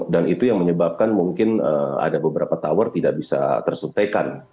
dan itu yang menyebabkan mungkin ada beberapa tower tidak bisa terselesaikan